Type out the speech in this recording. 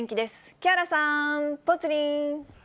木原さん、ぽつリン。